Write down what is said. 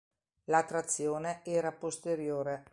La trazione era posteriore.